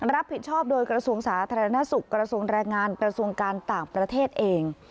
รับผิดชอบโดยกระทรวงสาธารณสุขกระทรวงแรงงานกระทรวงการต่างประเทศเอง